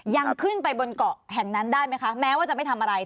ยังขึ้นไปบนเกาะแห่งนั้นได้ไหมคะแม้ว่าจะไม่ทำอะไร